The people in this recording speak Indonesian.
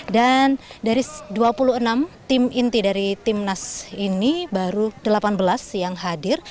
dan dari dua puluh enam tim inti dari timnas ini baru delapan belas yang hadir